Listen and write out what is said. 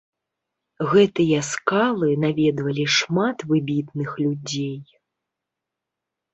Гэтыя скалы наведвалі шмат выбітных людзей.